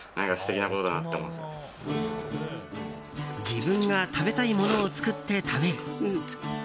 自分が食べたいものを作って食べる。